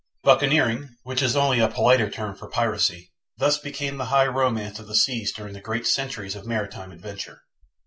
Buccaneering which is only a politer term for piracy thus became the high romance of the seas during the great centuries of maritime adventure.